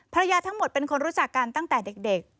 ภรรยาทั้งหมดเป็นคนรู้จักกันตั้งแต่เด็ก